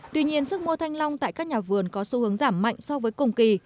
tuy nhiên sức mua thanh long tại các nhà vườn có xu hướng giảm mạnh so với cùng kỳ